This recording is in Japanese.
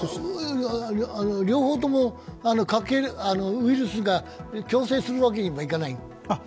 両方とも、ウイルスが共生するわけにもいかない？